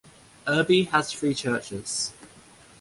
Irby has three churches.